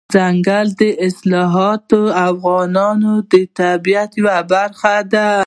دځنګل حاصلات د افغانستان د طبیعت یوه برخه ده.